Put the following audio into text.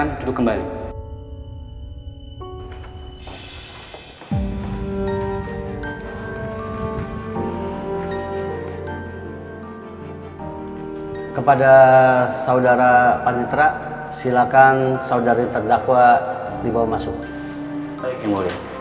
mulai buat penumpang